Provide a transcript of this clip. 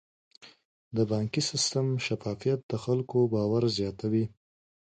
د بانکي سیستم شفافیت د خلکو باور زیاتوي.